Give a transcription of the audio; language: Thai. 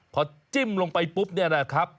พอจิ้มลงไปปุ๊บแหละนะครับ